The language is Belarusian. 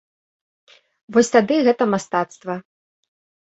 Вось тады гэта мастацтва.